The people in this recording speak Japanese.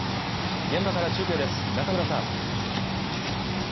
現場から中継です中村さん